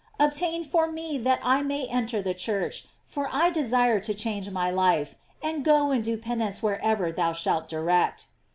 Obtain for me that I may enter the church, for I desire to change my life, and go and do penance wherever thou ehalt direct."